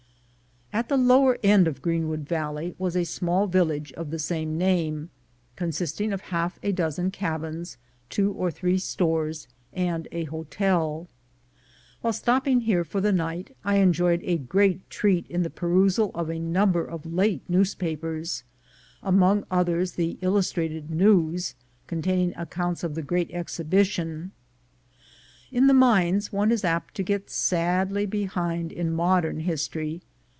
At the lower end of Greenwood Valley was a small village of the same name, consisting of half a dozen cabins, two or three stores, and a hotel. While stop ping here for the night, I enjoyed a great treat in the perusal of a number of late newspapers — am.ong others the Illustrated News, containing accounts of the Great Exhibition. In the mines one was apt to get sadly behind in modern history.